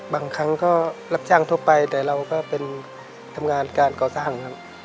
บางครั้งก็รับจ้างทั่วไปแต่เราก็เป็นทำงานการก่อสร้างครับ